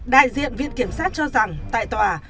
đại diện viện kiểm sát cho rằng tại tòa